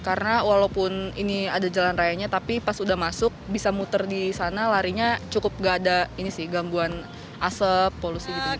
karena walaupun ini ada jalan rayanya tapi pas udah masuk bisa muter di sana larinya cukup gak ada ini sih gambuan asep polusi gitu